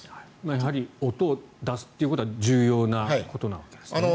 やはり音を出すということは重要なことなわけですね。